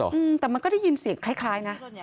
อืมแต่มันก็ได้ยินเสียงคล้ายคล้ายนะ